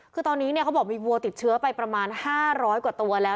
คือตอนนี้เขาบอกมีวัวติดเชื้อไปประมาณ๕๐๐กว่าตัวแล้ว